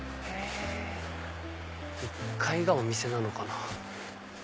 １階がお店なのかな？